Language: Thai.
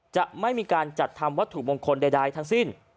จะไม่มีการจัดทำวัตถุมงคลใดทั้งสิ้น